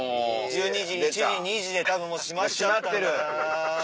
１２時１時２時でたぶんもう閉まっちゃったんだな。